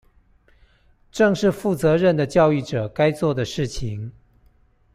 正是負責任的教育者該做的事情